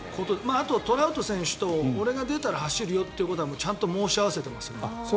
あと、トラウト選手と俺が出たら走るよってことはちゃんと申し合わせてますね。